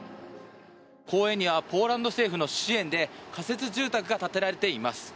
公園にはポーランド政府の支援で仮設住宅が建てられています。